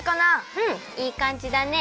うんいいかんじだね。